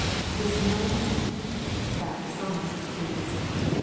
This nonsense, that dishonest seems.